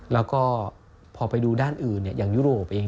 แล้วก็พอไปดูด้านอื่นอย่างยุโรปเอง